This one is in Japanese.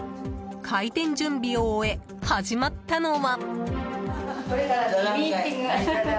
開店準備を終え、始まったのは。